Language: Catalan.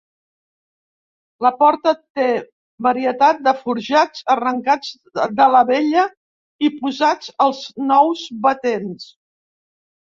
La porta té varietat de forjats, arrancats de la vella i posats als nous batents.